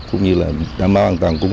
cũng như là đảm bảo an toàn